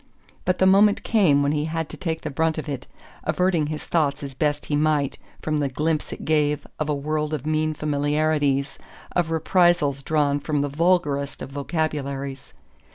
But the moment came when he had to take the brunt of it, averting his thoughts as best he might from the glimpse it gave of a world of mean familiarities, of reprisals drawn from the vulgarest of vocabularies.